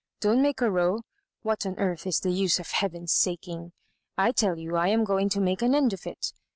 " Don't make a row. What on earth is the •ase of heaven's saking? I tell you I am going to make an end of it.